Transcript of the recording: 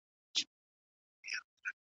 له جانانه مي ګيله ده